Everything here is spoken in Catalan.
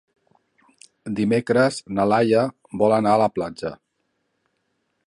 Dimecres na Laia vol anar a la platja.